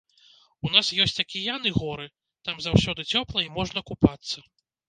У нас ёсць акіян і горы, там заўсёды цёпла і можна купацца.